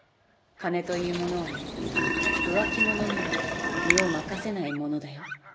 「金というものはね浮気者には身を任せないものだよ」